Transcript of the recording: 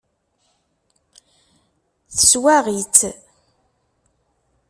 Teswaɣ-itt.